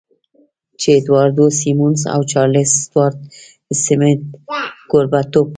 جې اډوارډ سیمونز او چارلیس سټیوارټ سمیت کوربهتوب کاوه